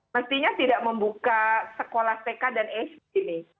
mestinya tidak membuka sekolah tk dan sd ini